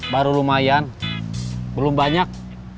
baru lumayan belum banyak